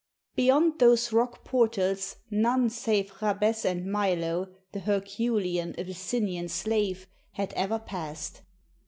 Beyond those rock portals none save Jabez and Milo, the herculean Abyssinian slave, had ever passed.